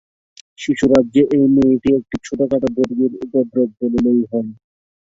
শিশুরাজ্যে এই মেয়েটি একটি ছোটোখাটো বর্গির উপদ্রব বলিলেই হয়।